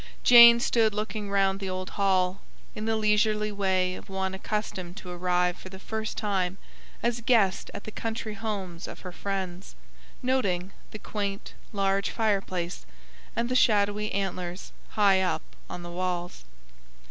Jane stood looking round the old hall, in the leisurely way of one accustomed to arrive for the first time as guest at the country homes of her friends; noting the quaint, large fireplace, and the shadowy antlers high up on the walls.